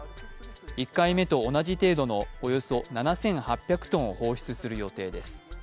１回目と同じ程度の、およそ７８００ｔを放出する予定です。